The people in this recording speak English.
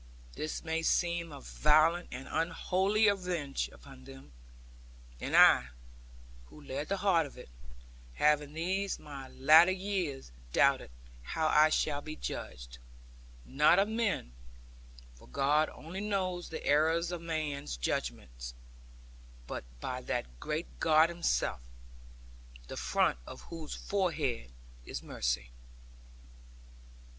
This may seem a violent and unholy revenge upon them. And I (who led the heart of it) have in these my latter years doubted how I shall be judged, not of men for God only knows the errors of man's judgments but by that great God Himself, the front of whose forehead is mercy.